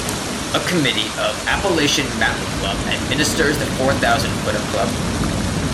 A committee of Appalachian Mountain Club administers the Four Thousand Footer Club.